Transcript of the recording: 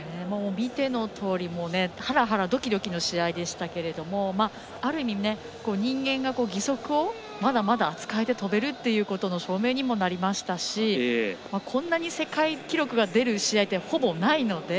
見てのとおりハラハラドキドキの試合でしたけれどもある意味、人間が義足を、まだまだ使えて跳べるということの証明にもなりましたしこんなに世界記録が出る試合ってほぼないので。